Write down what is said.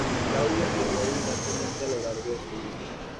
Claudio escribió abundantemente a lo largo de su vida.